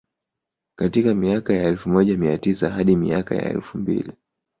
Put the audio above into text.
Katika miaka ya elfu moja mia tisa hadi miaka ya elfu mbili